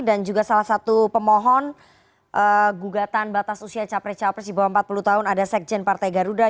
dan juga salah satu pemohon gugatan batas usia capres cawapres di bawah empat puluh tahun ada sekjen partai garuda